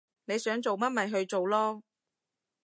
你想做乜咪去做囉